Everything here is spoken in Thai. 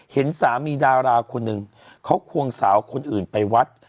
เห็นสามีดาราคนหนึ่งเขาควงสาวคนอื่นไปวัด